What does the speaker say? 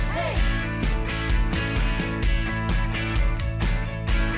ไปค่ะ